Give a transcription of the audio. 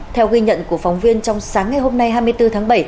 theo ghi nhận của phóng viên trong sáng ngày hôm nay hai mươi bốn tháng bảy